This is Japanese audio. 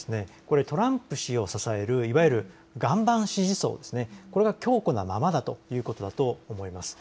トランプ氏を支えるいわゆる岩盤支持層、これが強固なままだということだと思います。